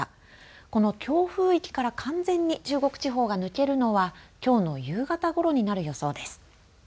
この強風域から完全に中国地方が抜けるのはきょうの夕方ごろになる予想です。